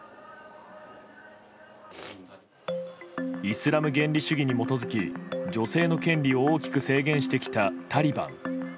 イスラム原理主義に基づき女性の権利を大きく制限してきたタリバン。